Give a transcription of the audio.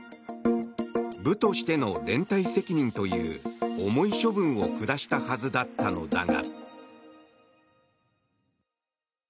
部としての連帯責任という重い処分を下したはずだったのだが。